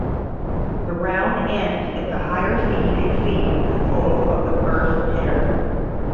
The round ends if the higher seed exceeds the total of the first hitter.